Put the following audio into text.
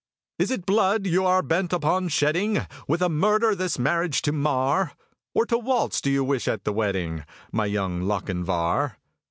"Is it blood you are bent upon shedding? With a murder this marriage to mar? Or to waltz do you wish at the wedding, My Young Lochinvar?"